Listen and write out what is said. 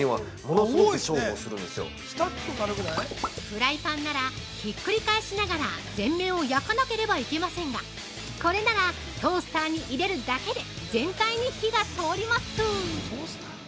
◆フライパンならひっくり返しながら全面を焼かなければいけませんがこれならトースターに入れるだけで全体に火が通ります。